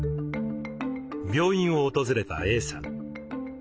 病院を訪れたＡさん。